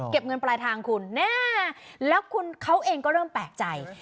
เงินปลายทางคุณแน่แล้วคุณเขาเองก็เริ่มแปลกใจ